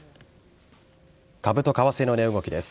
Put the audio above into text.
株と為替の値動きです。